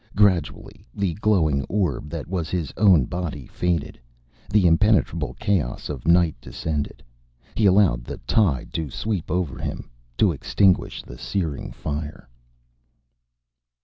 Gradually, the glowing orb that was his own body faded. The impenetrable chaos of night descended. He allowed the tide to sweep over him, to extinguish the searing fire.